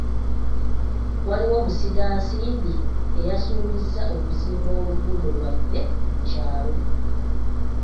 Waliwo musigansimbi eyasuubiza okuzimba oluguudo lwaffe mu kyalo.